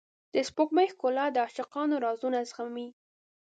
د سپوږمۍ ښکلا د عاشقانو رازونه زغمي.